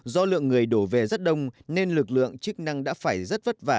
do lượng người đổ về rất đông nên lực lượng chức năng đã phải rất vất vả